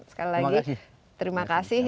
sekali lagi terima kasih